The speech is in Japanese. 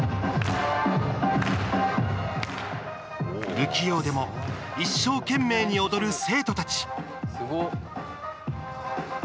不器用でも一生懸命に踊る生徒たち。